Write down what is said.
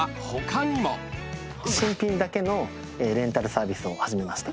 新品だけのレンタルサービスを始めました。